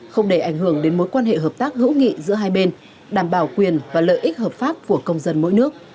không để ảnh hưởng đến mối quan hệ hợp tác hữu nghị giữa hai bên đảm bảo quyền và lợi ích hợp pháp của công dân mỗi nước